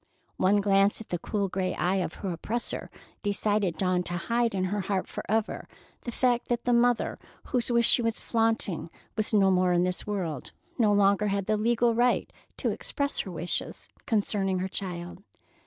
One glance at the cool gray eye of her oppressor decided Dawn to hide in her heart forever the fact that the mother whose wish she was flaunting was no more in this world, nor longer had the legal right to express her wishes concerning her child.